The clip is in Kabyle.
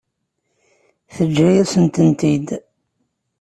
Teǧǧa-yasent-tent-id?